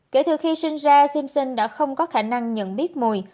kể từ khi sinh ra simpson đã không có khả năng nhận biết mùi